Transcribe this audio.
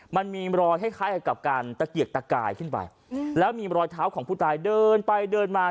มันมีรอยคล้ายกับการตะเกียกตะกายขึ้นไปแล้วมีรอยเท้าของผู้ตายเดินไปเดินมา